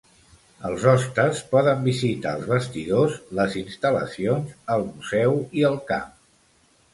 Els hostes poden visitar els vestidors, les instal·lacions, el museu i el camp.